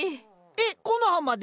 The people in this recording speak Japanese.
えっコノハまで？